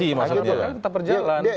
tidak boleh berhenti